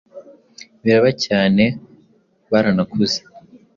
biraba cyane kandi baranakuze